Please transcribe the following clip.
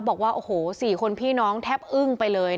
บอกว่าโอ้โห๔คนพี่น้องแทบอึ้งไปเลย